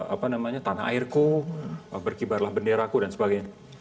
apa namanya tanah airku berkibarlah benderaku dan sebagainya